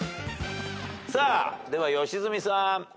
さあでは良純さん。